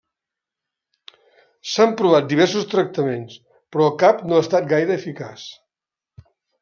S'han provat diversos tractaments, però cap no ha estat gaire eficaç.